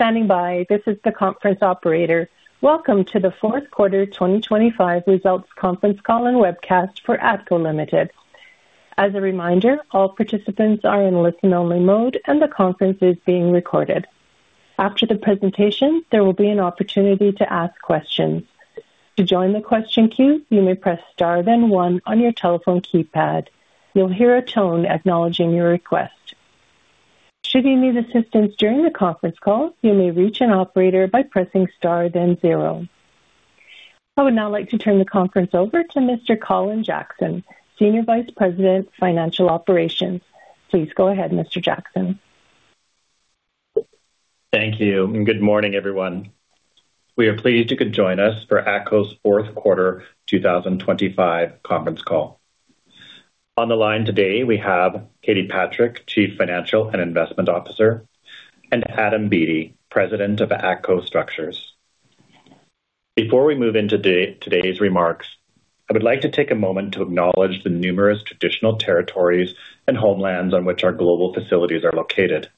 Standing by. This is the conference operator. Welcome to the fourth quarter 2025 results conference call and webcast for ATCO Limited. As a reminder, all participants are in listen-only mode, and the conference is being recorded. After the presentation, there will be an opportunity to ask questions. To join the question queue, you may press star, then one on your telephone keypad. You'll hear a tone acknowledging your request. Should you need assistance during the conference call, you may reach an operator by pressing star, then zero. I would now like to turn the conference over to Mr. Colin Jackson, Senior Vice President, Financial Operations. Please go ahead, Mr. Jackson. Thank you. Good morning, everyone. We are pleased you could join us for ATCO's fourth quarter 2025 conference call. On the line today, we have Katie Patrick, Chief Financial and Investment Officer, and Adam Beattie, President of ATCO Structures. Before we move into today's remarks, I would like to take a moment to acknowledge the numerous traditional territories and homelands on which our global facilities are located.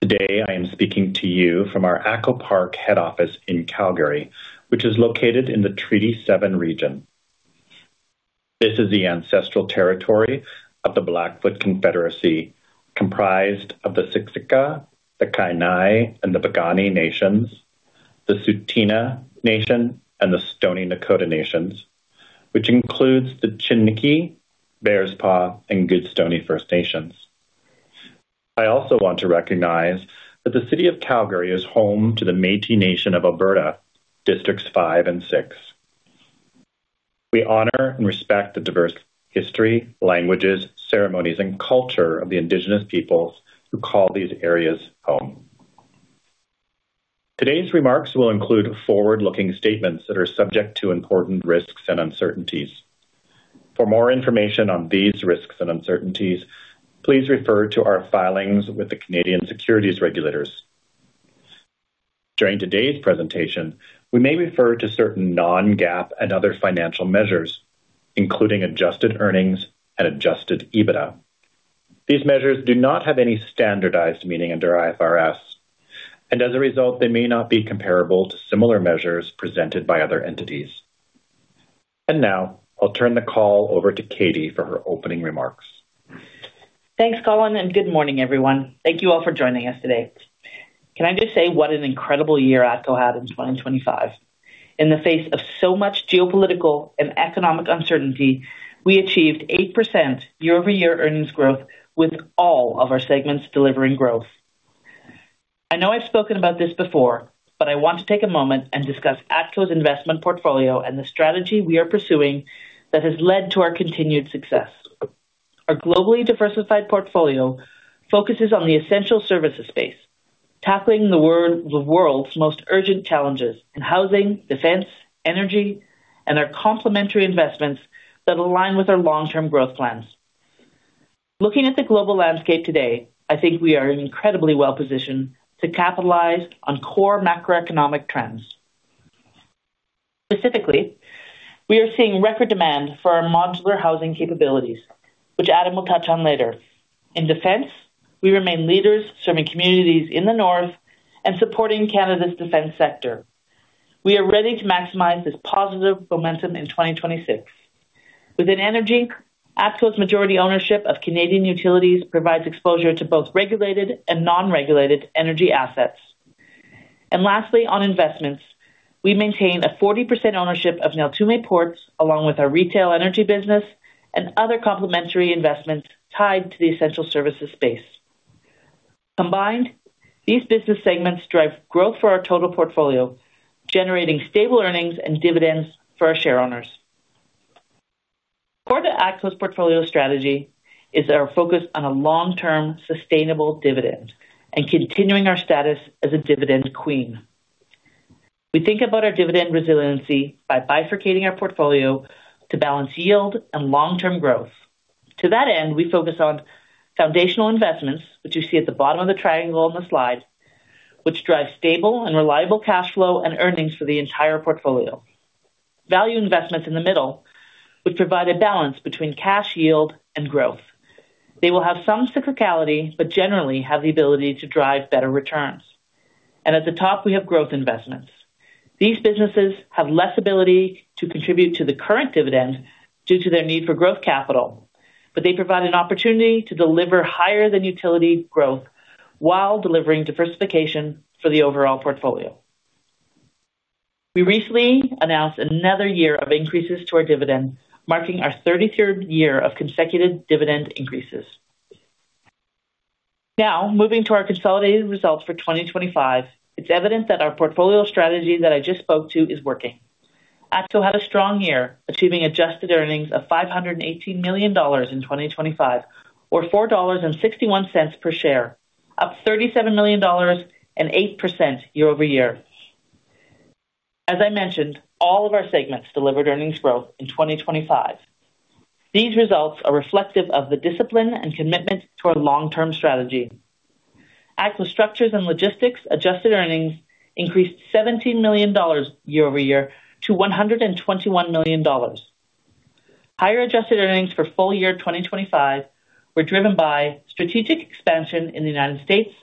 Today, I am speaking to you from our ATCO Park head office in Calgary, which is located in the Treaty 7 region. This is the ancestral territory of the Blackfoot Confederacy, comprised of the Siksika, the Kainai, and the Piikani Nations, the Tsuut'ina Nation, and the Stoney Nakoda Nations, which includes the Chiniki, Bearspaw, and Goodstoney First Nations. I also want to recognize that the City of Calgary is home to the Métis Nation of Alberta, Districts 5 and 6. We honor and respect the diverse history, languages, ceremonies, and culture of the indigenous peoples who call these areas home. Today's remarks will include forward-looking statements that are subject to important risks and uncertainties. For more information on these risks and uncertainties, please refer to our filings with the Canadian Securities Regulators. During today's presentation, we may refer to certain non-GAAP and other financial measures, including adjusted earnings and adjusted EBITDA. These measures do not have any standardized meaning under IFRS, and as a result, they may not be comparable to similar measures presented by other entities. Now I'll turn the call over to Katie for her opening remarks. Thanks, Colin. Good morning, everyone. Thank you all for joining us today. Can I just say what an incredible year ATCO had in 2025. In the face of so much geopolitical and economic uncertainty, we achieved 8% year-over-year earnings growth, with all of our segments delivering growth. I know I've spoken about this before. I want to take a moment and discuss ATCO's investment portfolio and the strategy we are pursuing that has led to our continued success. Our globally diversified portfolio focuses on the essential services space, tackling the world's most urgent challenges in housing, defense, energy, and our complementary investments that align with our long-term growth plans. Looking at the global landscape today, I think we are incredibly well-positioned to capitalize on core macroeconomic trends. Specifically, we are seeing record demand for our modular housing capabilities, which Adam will touch on later. In defense, we remain leaders serving communities in the north and supporting Canada's defense sector. We are ready to maximize this positive momentum in 2026. Within energy, ATCO's majority ownership of Canadian Utilities provides exposure to both regulated and non-regulated energy assets. Lastly, on investments, we maintain a 40% ownership of Neltume Ports, along with our retail energy business and other complementary investments tied to the essential services space. Combined, these business segments drive growth for our total portfolio, generating stable earnings and dividends for our shareowners. Core to ATCO's portfolio strategy is our focus on a long-term, sustainable dividend and continuing our status as a dividend queen. We think about our dividend resiliency by bifurcating our portfolio to balance yield and long-term growth. To that end, we focus on foundational investments, which you see at the bottom of the triangle on the slide, which drive stable and reliable cash flow and earnings for the entire portfolio. Value investments in the middle, which provide a balance between cash yield and growth. They will have some cyclicality, but generally have the ability to drive better returns. At the top, we have growth investments. These businesses have less ability to contribute to the current dividend due to their need for growth capital, but they provide an opportunity to deliver higher-than-utility growth while delivering diversification for the overall portfolio. We recently announced another year of increases to our dividend, marking our 33rd year of consecutive dividend increases. Moving to our consolidated results for 2025. It's evident that our portfolio strategy that I just spoke to is working. ATCO had a strong year, achieving adjusted earnings of 518 million dollars in 2025, or 4.61 dollars per share, up 37 million dollars and 8% year-over-year. As I mentioned, all of our segments delivered earnings growth in 2025. These results are reflective of the discipline and commitment to our long-term strategy. ATCO Structures & Logistics adjusted earnings increased 17 million dollars year-over-year to 121 million dollars. Higher adjusted earnings for full-year 2025 were driven by strategic expansion in the United States,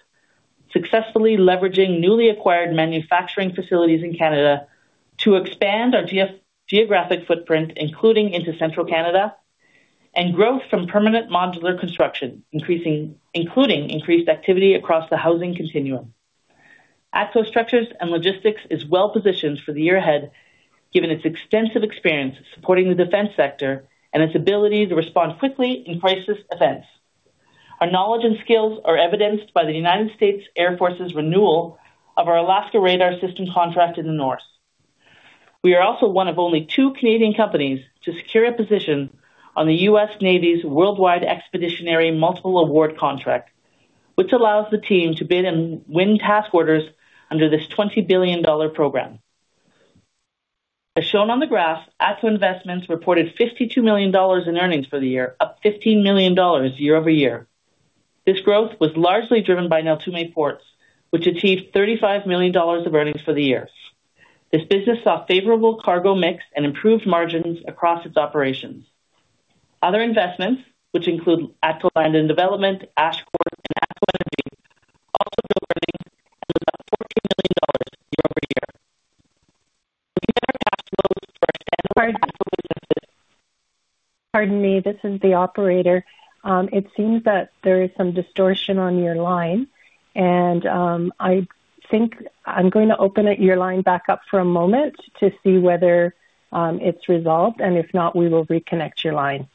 successfully leveraging newly acquired manufacturing facilities in Canada to expand our geographic footprint, including into central Canada, and growth from permanent modular construction, including increased activity across the housing continuum. ATCO Structures & Logistics is well positioned for the year ahead, given its extensive experience supporting the defense sector and its ability to respond quickly in crisis events. Our knowledge and skills are evidenced by the United States Air Force's renewal of our Alaska Radar System contract in the north. We are also one of only two Canadian companies to secure a position on the U.S. Navy's Worldwide Expeditionary Multiple Award Contract, which allows the team to bid and win task orders under this $20 billion program. As shown on the graph, ATCO Investments reported 52 million dollars in earnings for the year, up 15 million dollars year-over-year. This growth was largely driven by Neltume Ports, which achieved 35 million dollars of earnings for the year. This business saw favorable cargo mix and improved margins across its operations. Other investments, which include ATCO Land and Development, Ashcor, and ATCO Energy, also drove earnings and was up CAD 14 million year-over-year. Pardon me. This is the operator. It seems that there is some distortion on your line. I think I'm going to open your line back up for a moment to see whether it's resolved. If not, we will reconnect your line.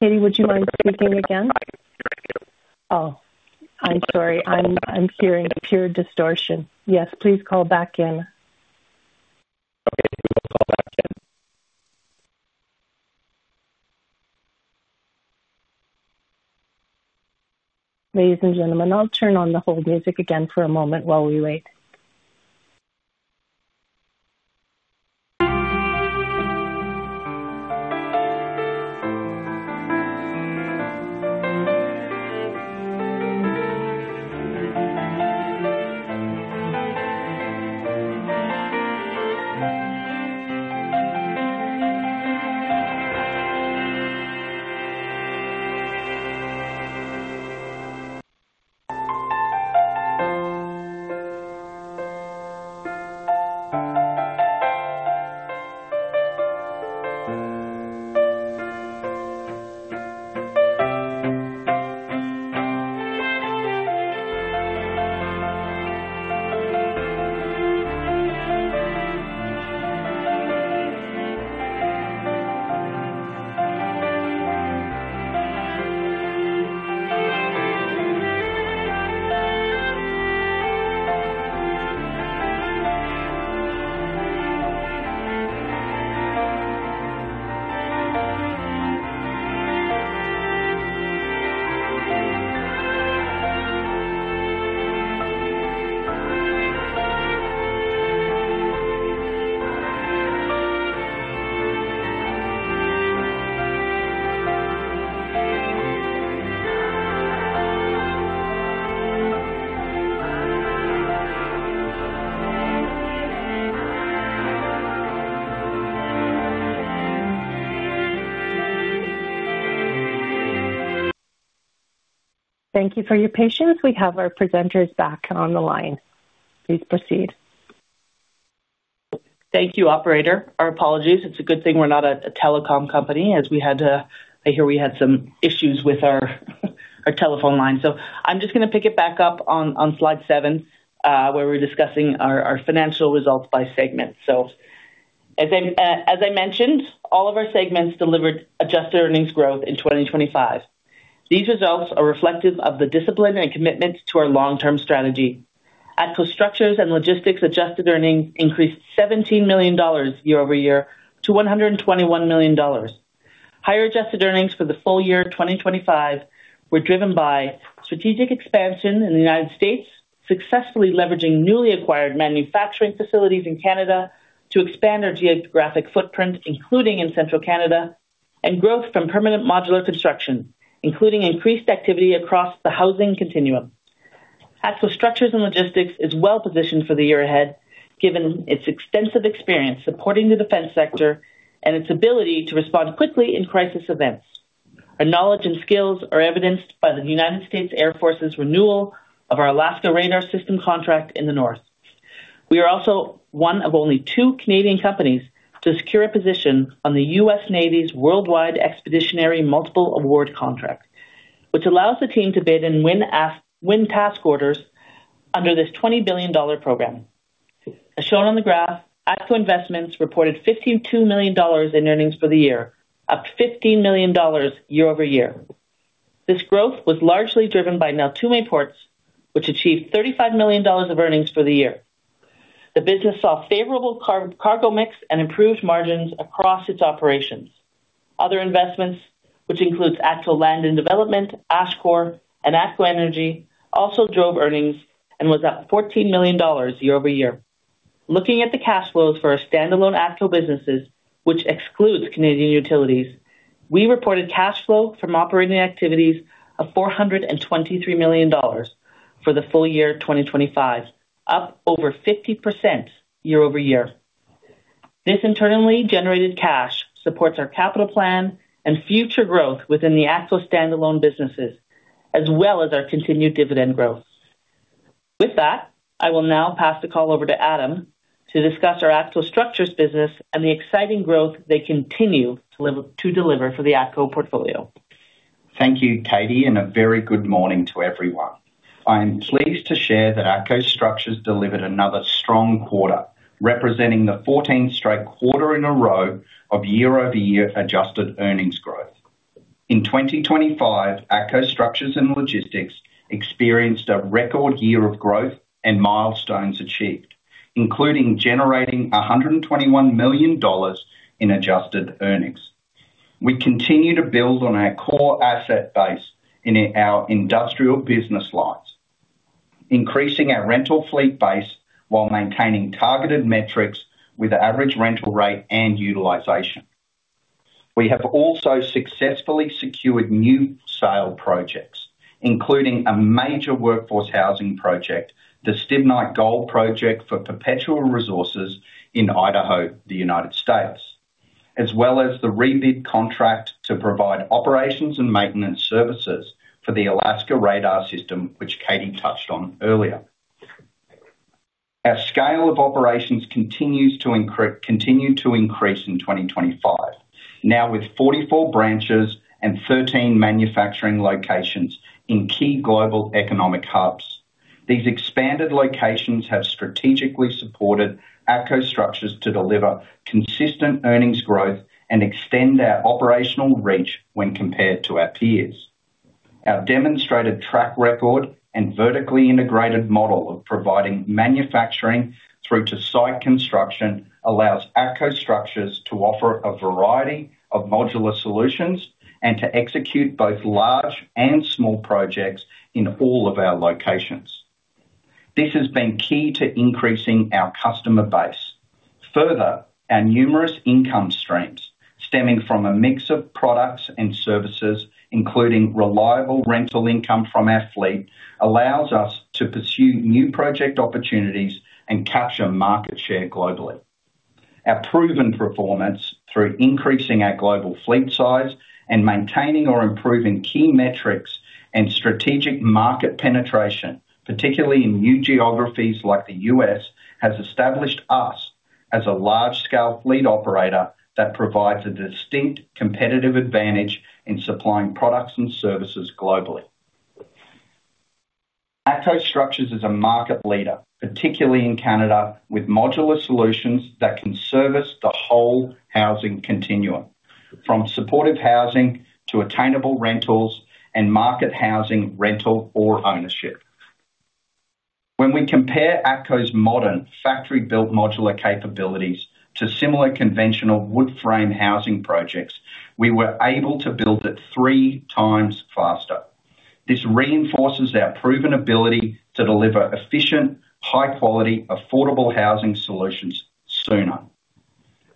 Katie, would you mind speaking again? I can hear you. Oh, I'm sorry. I'm hearing pure distortion. Yes, please call back in. Okay, we will call back in. Ladies and gentlemen, I'll turn on the hold music again for a moment while we wait. Thank you for your patience. We have our presenters back on the line. Please proceed. Thank you, operator. Our apologies. It's a good thing we're not a telecom company, I hear we had some issues with our telephone line. I'm just gonna pick it back up on slide 7, where we're discussing our financial results by segment. As I mentioned, all of our segments delivered adjusted earnings growth in 2025. These results are reflective of the discipline and commitment to our long-term strategy. ATCO Structures & Logistics adjusted earnings increased 17 million dollars year-over-year to 121 million dollars. Higher adjusted earnings for the full-year 2025 were driven by strategic expansion in the United States, successfully leveraging newly acquired manufacturing facilities in Canada to expand our geographic footprint, including in central Canada, and growth from permanent modular construction, including increased activity across the housing continuum. ATCO Structures & Logistics is well positioned for the year ahead, given its extensive experience supporting the defense sector and its ability to respond quickly in crisis events. Our knowledge and skills are evidenced by the United States Air Force's renewal of our Alaska Radar System contract in the north. We are also one of only two Canadian companies to secure a position on the U.S. Navy's Worldwide Expeditionary Multiple Award Contract, which allows the team to bid and win task orders under this $20 billion program. As shown on the graph, ATCO Investments reported 52 million dollars in earnings for the year, up 15 million dollars year-over-year. This growth was largely driven by Neltume Ports, which achieved 35 million dollars of earnings for the year. The business saw favorable cargo mix and improved margins across its operations. Other investments, which includes ATCO Land and Development, Ashcor, and ATCO Energy, also drove earnings and was up 14 million dollars year-over-year. Looking at the cash flows for our standalone ATCO businesses, which excludes Canadian Utilities. We reported cash flow from operating activities of 423 million dollars for the full-year 2025, up over 50% year-over-year. This internally generated cash supports our capital plan and future growth within the ATCO standalone businesses, as well as our continued dividend growth. With that, I will now pass the call over to Adam to discuss our ATCO Structures business and the exciting growth they continue to deliver for the ATCO portfolio. Thank you, Katie, and a very good morning to everyone. I am pleased to share that ATCO Structures delivered another strong quarter, representing the 14th straight quarter in a row of year-over-year adjusted earnings growth. In 2025, ATCO Structures & Logistics experienced a record year of growth and milestones achieved, including generating 121 million dollars in adjusted earnings. We continue to build on our core asset base in our industrial business lines, increasing our rental fleet base while maintaining targeted metrics with average rental rate and utilization. We have also successfully secured new sale projects, including a major workforce housing project, the Stibnite Gold Project for Perpetua Resources in Idaho, the United States, as well as the rebid contract to provide operations and maintenance services for the Alaska Radar System, which Katie touched on earlier. Our scale of operations continues to continue to increase in 2025, now with 44 branches and 13 manufacturing locations in key global economic hubs. These expanded locations have strategically supported ATCO Structures to deliver consistent earnings growth and extend our operational reach when compared to our peers. Our demonstrated track record and vertically integrated model of providing manufacturing through to site construction allows ATCO Structures to offer a variety of modular solutions and to execute both large and small projects in all of our locations. This has been key to increasing our customer base. Our numerous income streams stemming from a mix of products and services, including reliable rental income from our fleet, allows us to pursue new project opportunities and capture market share globally. Our proven performance through increasing our global fleet size and maintaining or improving key metrics and strategic market penetration, particularly in new geographies like the U.S., has established us as a large-scale fleet operator that provides a distinct competitive advantage in supplying products and services globally. ATCO Structures is a market leader, particularly in Canada, with modular solutions that can service the whole housing continuum, from supportive housing to attainable rentals and market housing, rental or ownership. When we compare ATCO's modern factory-built modular capabilities to similar conventional wood frame housing projects, we were able to build it three times faster. This reinforces our proven ability to deliver efficient, high quality, affordable housing solutions sooner.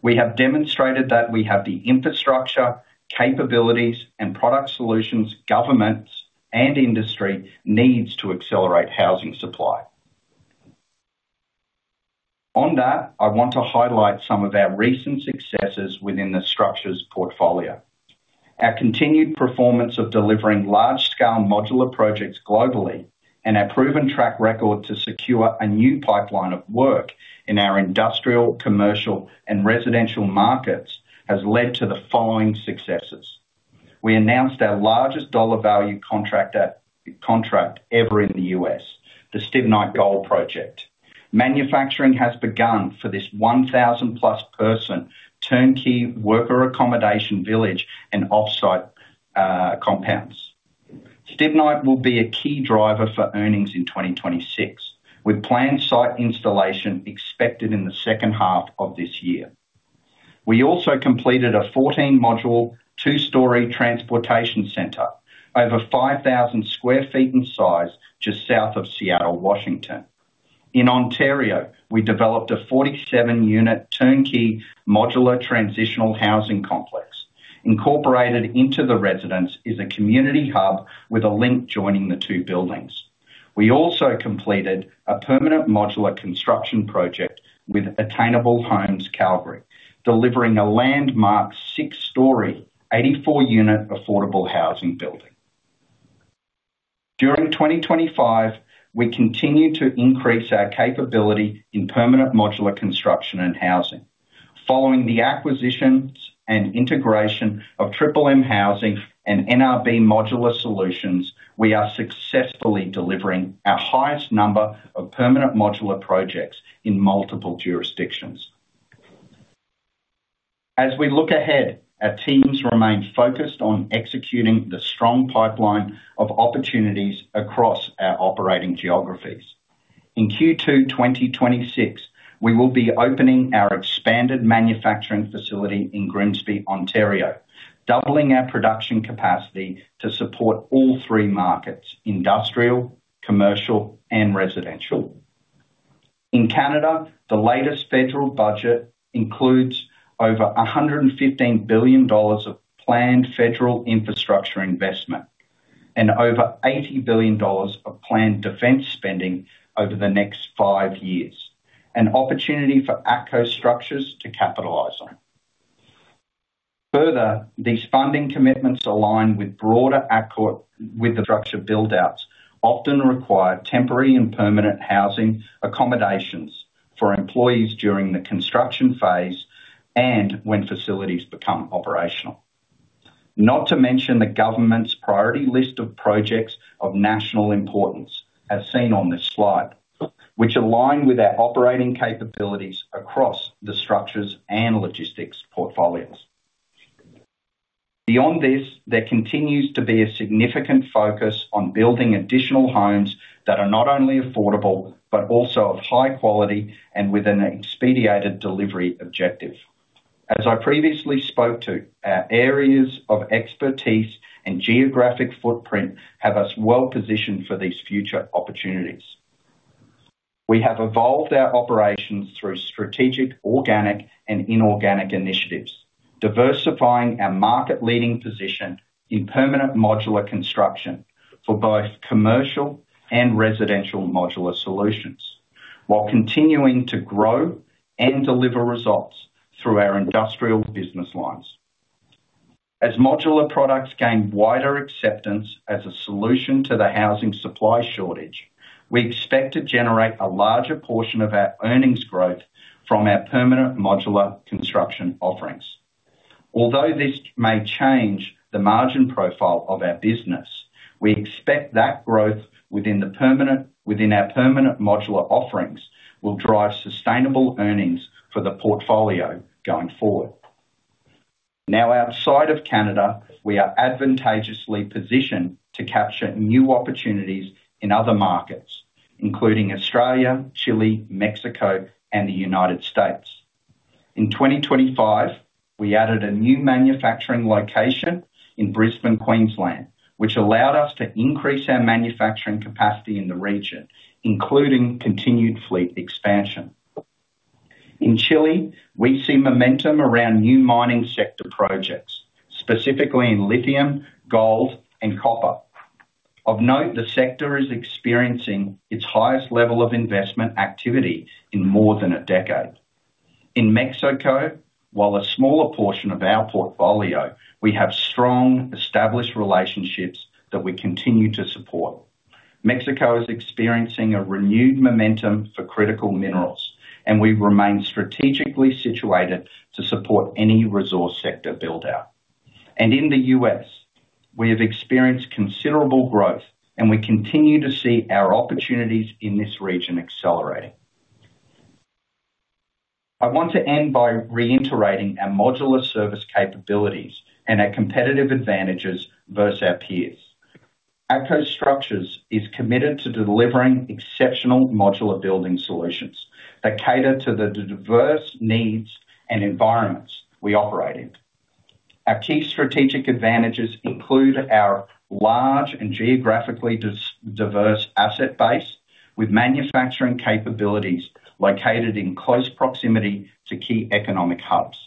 We have demonstrated that we have the infrastructure, capabilities and product solutions, governments and industry needs to accelerate housing supply. On that, I want to highlight some of our recent successes within the Structures portfolio. Our continued performance of delivering large scale modular projects globally and our proven track record to secure a new pipeline of work in our industrial, commercial, and residential markets has led to the following successes. We announced our largest dollar value contract ever in the U.S., the Stibnite Gold Project. Manufacturing has begun for this 1,000+ person turnkey worker accommodation village and offsite compounds. Stibnite will be a key driver for earnings in 2026, with planned site installation expected in the second half of this year. We also completed a 14-module, two-story transportation center over 5,000 sq ft in size just south of Seattle, Washington. In Ontario, we developed a 47-unit turnkey modular transitional housing complex. Incorporated into the residence is a community hub with a link joining the two buildings. We also completed a permanent modular construction project with Attainable Homes Calgary, delivering a landmark six-story, 84-unit affordable housing building. During 2025, we continued to increase our capability in permanent modular construction and housing. Following the acquisitions and integration of Triple M Housing and NRB Modular Solutions, we are successfully delivering our highest number of permanent modular projects in multiple jurisdictions. As we look ahead, our teams remain focused on executing the strong pipeline of opportunities across our operating geographies. In Q2 2026, we will be opening our expanded manufacturing facility in Grimsby, Ontario, doubling our production capacity to support all three markets: industrial, commercial, and residential. In Canada, the latest federal budget includes over 115 billion dollars of planned federal infrastructure investment and over 80 billion dollars of planned defense spending over the next five years, an opportunity for ATCO Structures to capitalize on. Further, these funding commitments align with broader ATCO, with the structure build outs, often require temporary and permanent housing accommodations for employees during the construction phase and when facilities become operational. Not to mention the government's priority list of projects of national importance, as seen on this slide, which align with our operating capabilities across the Structures & Logistics portfolios. Beyond this, there continues to be a significant focus on building additional homes that are not only affordable but also of high quality and with an expedited delivery objective. As I previously spoke to, our areas of expertise and geographic footprint have us well positioned for these future opportunities. We have evolved our operations through strategic, organic and inorganic initiatives, diversifying our market leading position in permanent modular construction for both commercial and residential modular solutions, while continuing to grow and deliver results through our industrial business lines. As modular products gain wider acceptance as a solution to the housing supply shortage, we expect to generate a larger portion of our earnings growth from our permanent modular construction offerings. Although this may change the margin profile of our business, we expect that growth within our permanent modular offerings will drive sustainable earnings for the portfolio going forward. Outside of Canada, we are advantageously positioned to capture new opportunities in other markets, including Australia, Chile, Mexico, and the United States. In 2025, we added a new manufacturing location in Brisbane, Queensland, which allowed us to increase our manufacturing capacity in the region, including continued fleet expansion. In Chile, we see momentum around new mining sector projects, specifically in lithium, gold, and copper. Of note, the sector is experiencing its highest level of investment activity in more than a decade. In Mexico, while a smaller portion of our portfolio, we have strong, established relationships that we continue to support. Mexico is experiencing a renewed momentum for critical minerals, we remain strategically situated to support any resource sector build out. In the U.S., we have experienced considerable growth and we continue to see our opportunities in this region accelerating. I want to end by reiterating our modular service capabilities and our competitive advantages versus our peers. ATCO Structures is committed to delivering exceptional modular building solutions that cater to the diverse needs and environments we operate in. Our key strategic advantages include our large and geographically diverse asset base, with manufacturing capabilities located in close proximity to key economic hubs.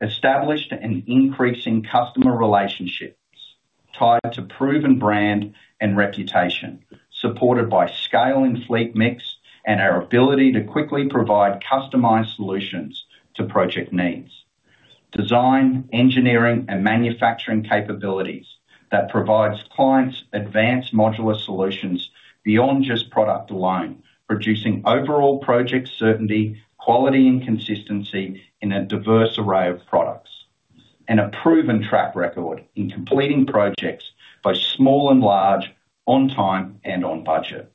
Established and increasing customer relationships tied to proven brand and reputation, supported by scale in fleet mix and our ability to quickly provide customized solutions to project needs. Design, engineering, and manufacturing capabilities that provides clients advanced modular solutions beyond just product alone, producing overall project certainty, quality, and consistency in a diverse array of products. A proven track record in completing projects, both small and large, on time and on budget.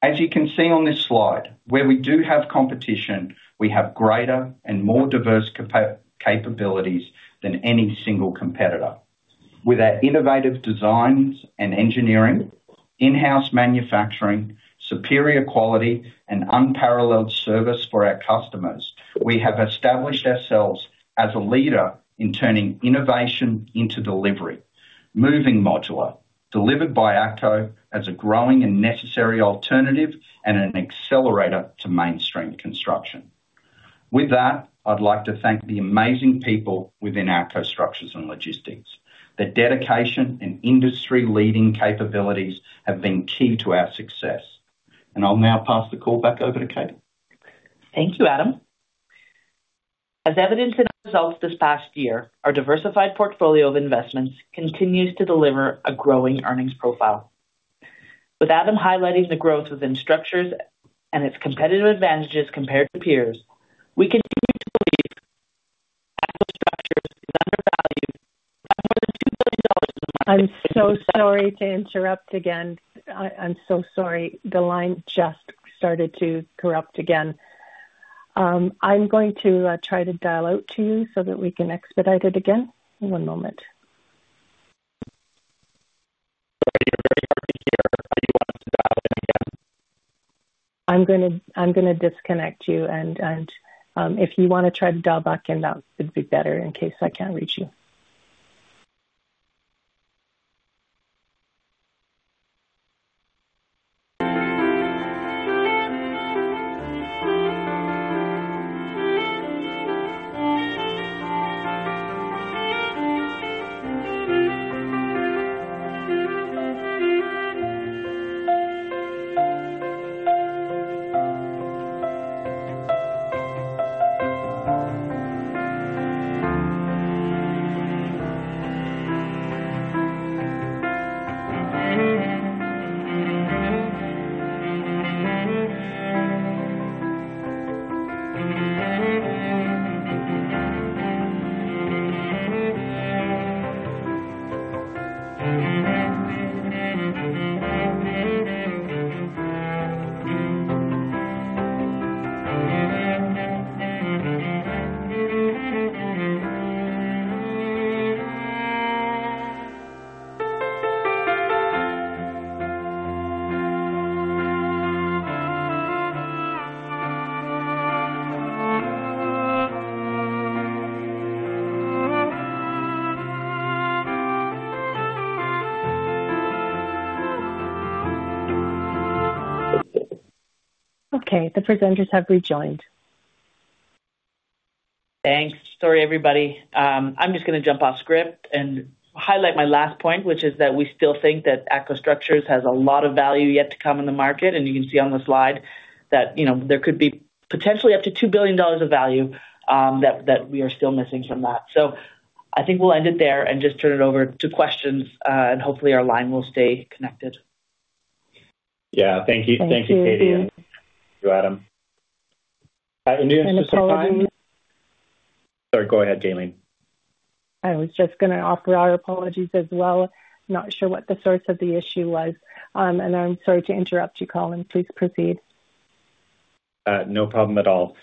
As you can see on this slide, where we do have competition, we have greater and more diverse capabilities than any single competitor. With our innovative designs and engineering, in-house manufacturing, superior quality, and unparalleled service for our customers, we have established ourselves as a leader in turning innovation into delivery. Moving modular, delivered by ATCO as a growing and necessary alternative and an accelerator to mainstream construction. With that, I'd like to thank the amazing people within ATCO Structures & Logistics. Their dedication and industry-leading capabilities have been key to our success. I'll now pass the call back over to Katie. Thank you, Adam. As evidenced in the results this past year, our diversified portfolio of investments continues to deliver a growing earnings profile. With Adam highlighting the growth within ATCO Structures and its competitive advantages compared to peers, we continue to believe ATCO Structures is undervalued by more than 2 billion dollars. I'm so sorry to interrupt again. I'm so sorry. The line just started to corrupt again. I'm going to try to dial out to you so that we can expedite it again. One moment. You're very hard to hear. Do you want us to dial in again? I'm gonna disconnect you, and if you want to try to dial back in, that would be better in case I can't reach you. Okay, the presenters have rejoined. Thanks. Sorry, everybody. I'm just gonna jump off script and highlight my last point, which is that we still think that ATCO Structures has a lot of value yet to come in the market, and you can see on the slide that, you know, there could be potentially up to 2 billion dollars of value that we are still missing from that. I think we'll end it there and just turn it over to questions, and hopefully our line will stay connected. Yeah. Thank you. Thank you, Katie and Adam. Apologies. Sorry. Go ahead, Gaylene. I was just gonna offer our apologies as well. Not sure what the source of the issue was. I'm sorry to interrupt you, Colin, please proceed. No problem at all.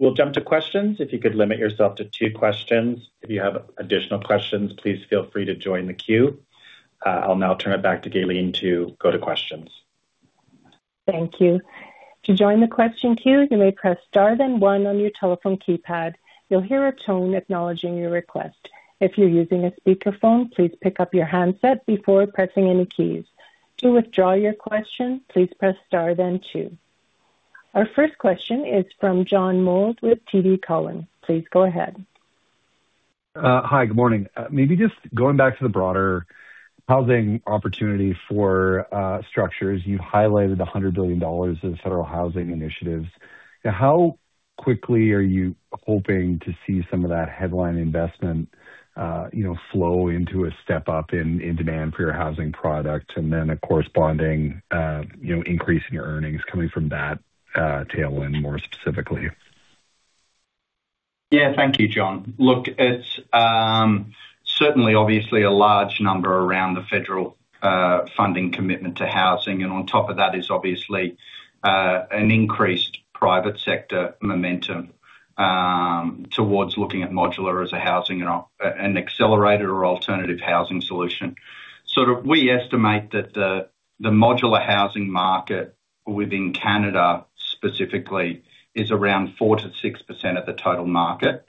We'll jump to questions. If you could limit yourself to two questions. If you have additional questions, please feel free to join the queue. I'll now turn it back to Gaylene to go to questions. Thank you. To join the question queue, you may press star then one on your telephone keypad. You'll hear a tone acknowledging your request. If you're using a speakerphone, please pick up your handset before pressing any keys. To withdraw your question, please press star then two. Our first question is from John Mould with TD Cowen. Please go ahead. Hi, good morning. Maybe just going back to the broader housing opportunity for Structures. You highlighted 100 billion dollars of federal housing initiatives. How quickly are you hoping to see some of that headline investment, you know, flow into a step up in demand for your housing product and then a corresponding, you know, increase in your earnings coming from that tailwind more specifically? Yeah. Thank you, John. Look, it's certainly obviously a large number around the federal funding commitment to housing. On top of that is obviously an increased private sector momentum towards looking at modular as a housing and an accelerated or alternative housing solution. We estimate that the modular housing market within Canada specifically, is around 4%-6% of the total market.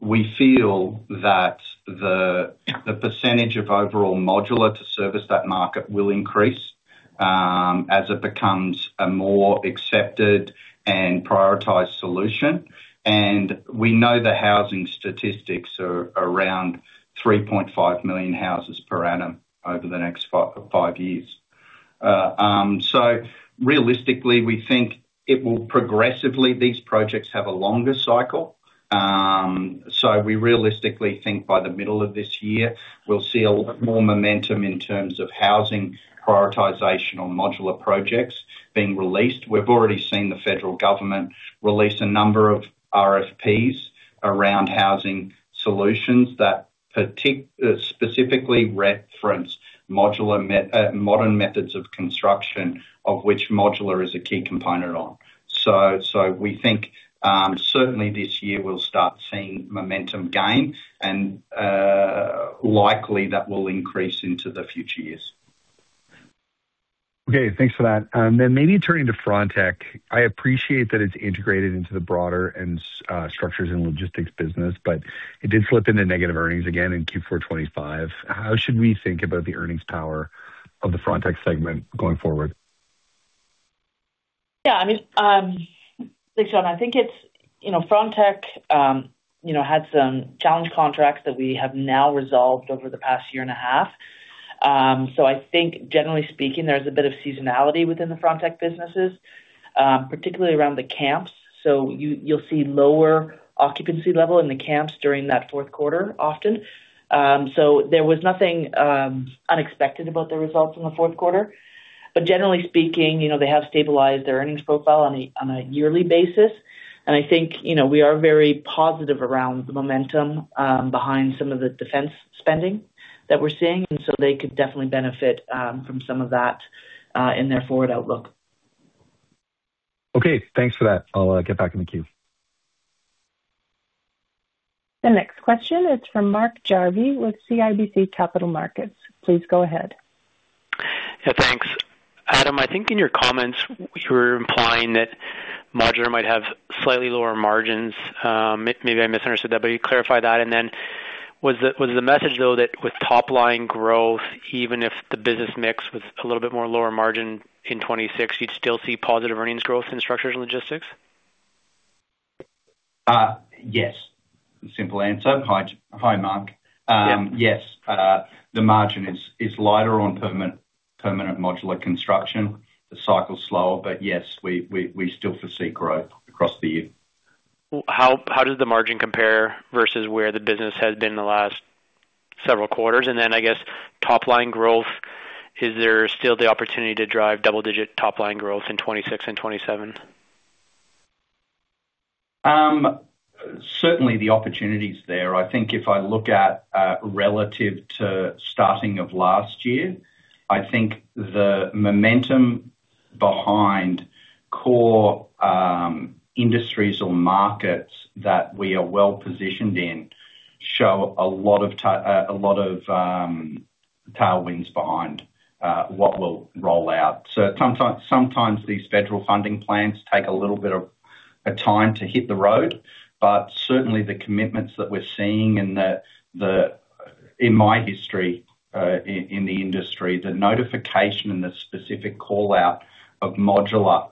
We feel that the percentage of overall modular to service that market will increase as it becomes a more accepted and prioritized solution. We know the housing statistics are around 3.5 million houses per annum over the next five years. Realistically, we think it will progressively. These projects have a longer cycle. We realistically think by the middle of this year, we'll see a lot more momentum in terms of housing prioritization or modular projects being released. We've already seen the federal government release a number of RFPs around housing solutions that specifically reference modern methods of construction, of which modular is a key component on. We think, certainly this year we'll start seeing momentum gain and likely that will increase into the future years. Okay, thanks for that. Maybe turning to Frontec. I appreciate that it's integrated into the broader Structures & Logistics business, but it did slip into negative earnings again in Q4 2025. How should we think about the earnings power of the Frontec segment going forward? Um, thanks, John. I think it's, you know, Frontec, you know, had some challenge contracts that we have now resolved over the past year and a half. I think generally speaking, there's a bit of seasonality within the Frontec businesses, particularly around the camps. So you'll see lower occupancy level in the camps during that fourth quarter, often. There was nothing unexpected about the results in the fourth quarter. Generally speaking, you know, they have stabilized their earnings profile on a yearly basis. I think, you know, we are very positive around the momentum, behind some of the defense spending that we're seeing, and so they could definitely benefit, from some of that, in their forward outlook. Okay, thanks for that. I'll get back in the queue. The next question is from Mark Jarvi with CIBC Capital Markets. Please go ahead. Yeah, thanks. Adam, I think in your comments, you were implying that modular might have slightly lower margins. Maybe I misunderstood that, but you clarify that, and then was the message though, that with top-line growth, even if the business mix was a little bit more lower margin in 2026, you'd still see positive earnings growth in Structures & Logistics? Yes. Simple answer. Hi, Mark. Yes, the margin is lighter on permanent modular construction. The cycle is slower, but yes, we still foresee growth across the year. How does the margin compare versus where the business has been in the last several quarters? I guess, top-line growth, is there still the opportunity to drive double-digit top-line growth in 2026 and 2027? Certainly the opportunity is there. I think if I look at relative to starting of last year, I think the momentum behind core industries or markets that we are well positioned in show a lot of tailwinds behind what will roll out. Sometimes these federal funding plans take a little bit of a time to hit the road, but certainly the commitments that we're seeing in the, in my history, in the industry, the notification and the specific call-out of modular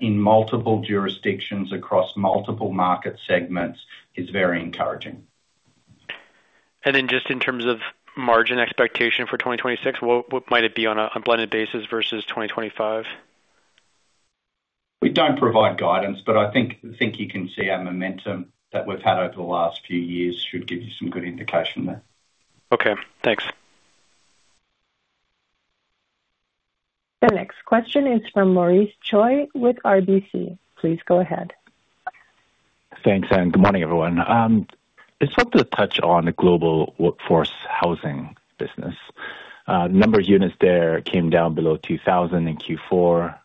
in multiple jurisdictions across multiple market segments is very encouraging. Just in terms of margin expectation for 2026, what might it be on a blended basis versus 2025? We don't provide guidance, but I think you can see our momentum that we've had over the last few years should give you some good indication there. Okay, thanks. The next question is from Maurice Choy with RBC. Please go ahead. Thanks. Good morning, everyone. I just want to touch on the global workforce housing business. The number of units there came down below 2,000 in Q4,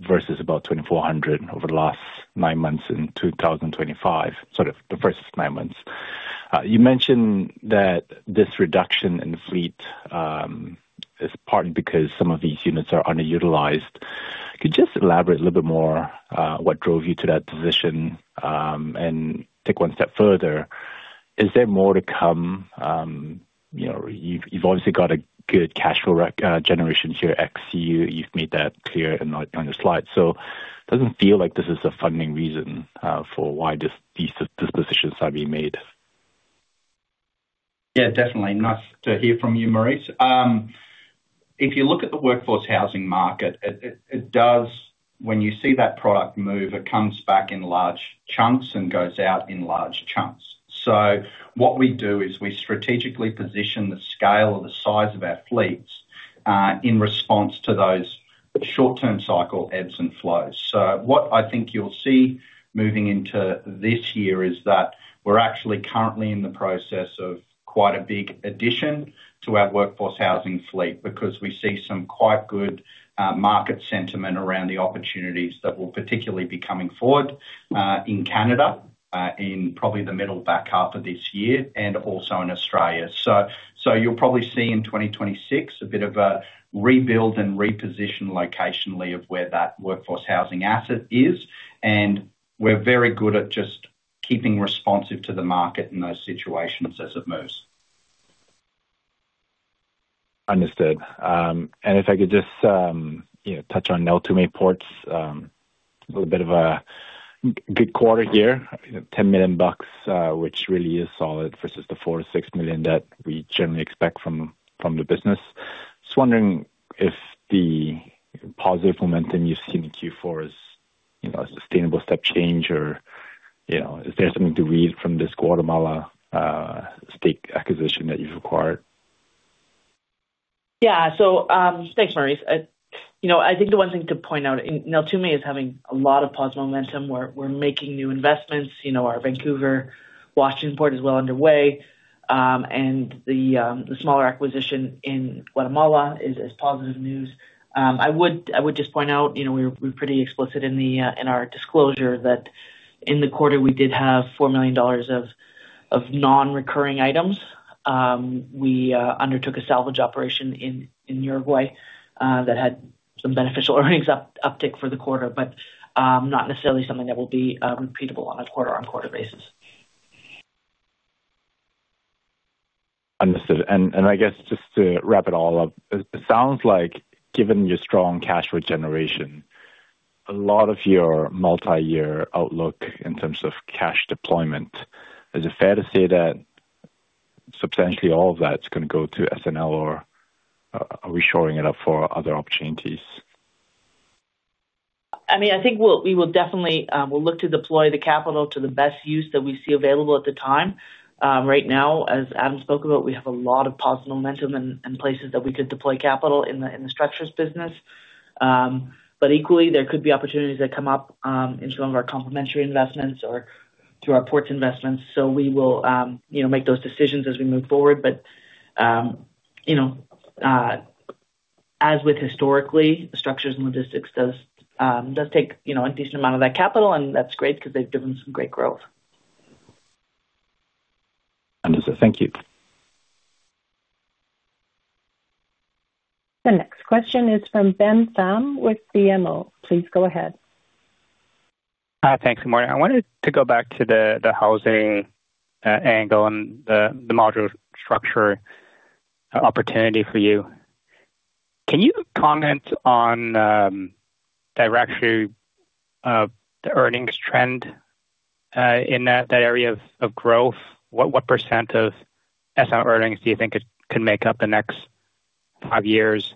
versus about 2,400 over the last nine months in 2025, sort of the first nine months. You mentioned that this reduction in the fleet is partly because some of these units are underutilized. Could you just elaborate a little bit more what drove you to that position, and take one step further? Is there more to come? You know, you've obviously got a good cash flow generation here. You've made that clear on your slide. It doesn't feel like this is a funding reason for why these decisions are being made. Yeah, definitely. Nice to hear from you, Maurice. If you look at the workforce housing market, it does when you see that product move, it comes back in large chunks and goes out in large chunks. What we do is we strategically position the scale or the size of our fleets, in response to those short-term cycle ebbs and flows. What I think you'll see moving into this year is that we're actually currently in the process of quite a big addition to our workforce housing fleet, because we see some quite good, market sentiment around the opportunities that will particularly be coming forward, in Canada, in probably the middle back half of this year and also in Australia. You'll probably see in 2026 a bit of a rebuild and reposition locationally of where that workforce housing asset is, and we're very good at just keeping responsive to the market in those situations as it moves. Understood. If I could just, you know, touch on Neltume Ports, a little of a good quarter here, 10 million bucks, which really is solid versus the 4 million-6 million that we generally expect from the business. Just wondering if the positive momentum you've seen in Q4 is, you know, a sustainable step change, or, you know, is there something to read from this Guatemala stake acquisition that you've acquired? Thanks, Maurice. You know, I think the one thing to point out, Neltume is having a lot of positive momentum. We're making new investments. You know, our Vancouver, Washington port is well underway. The smaller acquisition in Guatemala is positive news. I would just point out, you know, we're pretty explicit in our disclosure that in the quarter we did have 4 million dollars of non-recurring items. We undertook a salvage operation in Uruguay that had some beneficial earnings uptick for the quarter, but not necessarily something that will be repeatable on a quarter-over-quarter basis. Understood. I guess just to wrap it all up, it sounds like given your strong cash flow generation, a lot of your multi-year outlook in terms of cash deployment, is it fair to say that substantially all of that's gonna go to S&L, or, are we shoring it up for other opportunities? I mean, I think we will definitely, we'll look to deploy the capital to the best use that we see available at the time. Right now, as Adam spoke about, we have a lot of positive momentum and places that we could deploy capital in the structures business. But equally, there could be opportunities that come up in some of our complementary investments or through our ports investments. We will, you know, make those decisions as we move forward. You know, as with historically, Structures & Logistics does take, you know, a decent amount of that capital, and that's great because they've given some great growth. Understood. Thank you. The next question is from Ben Pham with BMO. Please go ahead. Thanks, good morning. I wanted to go back to the housing angle and the module structure opportunity for you. Can you comment on directly the earnings trend in that area of growth? What percent of earnings do you think it could make up the next five years?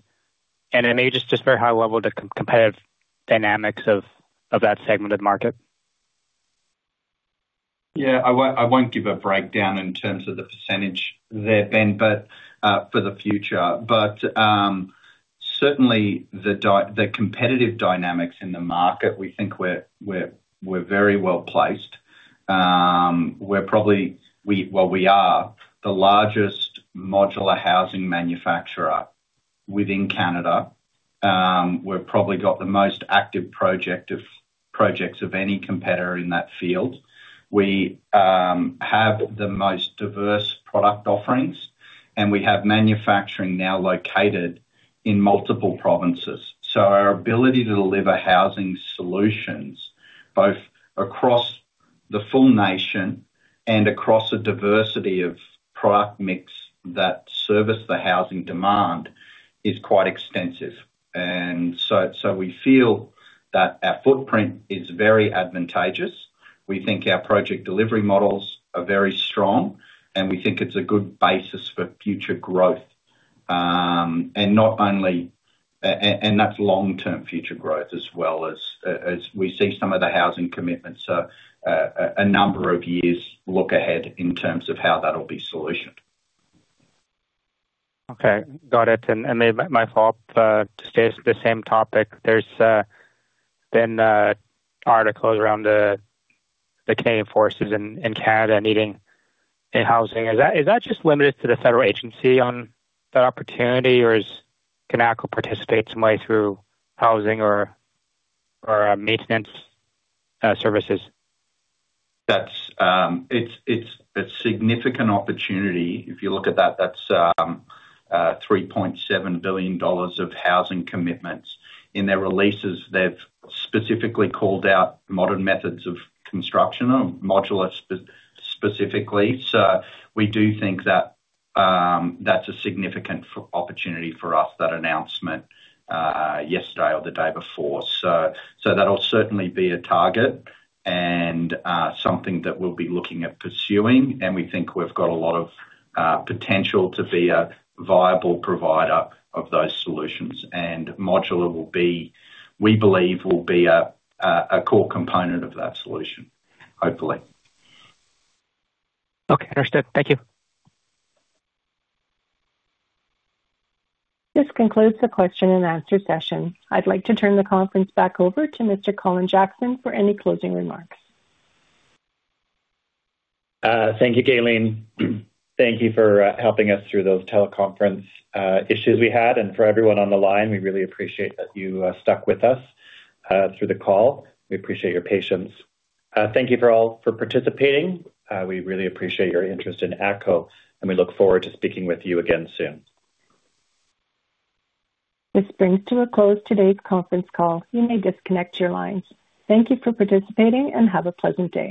Then maybe just very high level, the competitive dynamics of that segmented market. Yeah. I won't give a breakdown in terms of the percentage there, Ben, for the future. Certainly the competitive dynamics in the market, we think we're very well placed. We're probably, well, we are the largest modular housing manufacturer within Canada. We've probably got the most active projects of any competitor in that field. We have the most diverse product offerings, and we have manufacturing now located in multiple provinces. Our ability to deliver housing solutions, both across the full nation and across a diversity of product mix that service the housing demand, is quite extensive. We feel that our footprint is very advantageous. We think our project delivery models are very strong, and we think it's a good basis for future growth. Not only, and that's long-term future growth as well as we see some of the housing commitments, so, a number of years look ahead in terms of how that'll be solutioned. Okay, got it. Then my follow-up to stay the same topic, there's been articles around the Canadian Forces in Canada needing a housing. Is that just limited to the federal agency on that opportunity, or can ATCO participate some way through housing or maintenance services? That's it's a significant opportunity. If you look at that's 3.7 billion dollars of housing commitments. In their releases, they've specifically called out modern methods of construction, modular specifically. We do think that's a significant opportunity for us, that announcement yesterday or the day before. That'll certainly be a target and something that we'll be looking at pursuing, and we think we've got a lot of potential to be a viable provider of those solutions. Modular will be, we believe, will be a core component of that solution, hopefully. Okay, understood. Thank you. This concludes the question-and-answer session. I'd like to turn the conference back over to Mr. Colin Jackson for any closing remarks. Thank you, Gaylene. Thank you for helping us through those teleconference issues we had. For everyone on the line, we really appreciate that you stuck with us through the call. We appreciate your patience. Thank you for all for participating. We really appreciate your interest in ATCO. We look forward to speaking with you again soon. This brings to a close today's conference call. You may disconnect your lines. Thank you for participating and have a pleasant day.